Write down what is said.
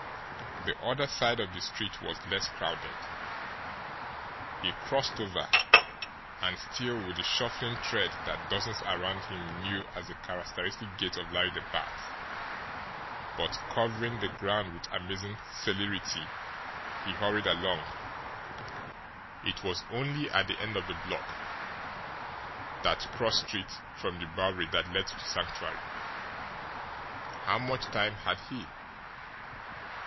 The other side of the street was less crowded. He crossed over, and, still with the shuffling tread that dozens around him knew as the characteristic gait of Larry the Bat, but covering the ground with amazing celerity, he hurried along. It was only at the end of the block, that cross street from the Bowery that led to the Sanctuary. How much time had he?